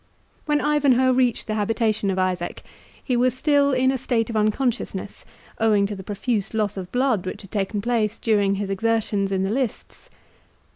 When Ivanhoe reached the habitation of Isaac, he was still in a state of unconsciousness, owing to the profuse loss of blood which had taken place during his exertions in the lists.